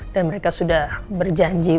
dan mereka sudah berjanji untuk